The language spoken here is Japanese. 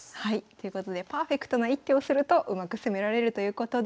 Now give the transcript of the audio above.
ということでパーフェクトな一手をするとうまく攻められるということです。